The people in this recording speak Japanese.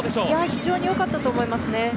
非常に良かったと思いますね。